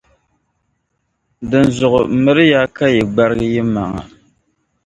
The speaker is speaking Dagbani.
Dinzuɣu, miri ya ka yi gbargi yi maŋa,